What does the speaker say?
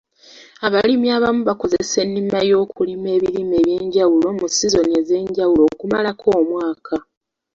Abalimi abamu bakozesa ennima y'okulima ebirime eby'enjawulo mu sizoni ez'enjawulo okumalako omwaka.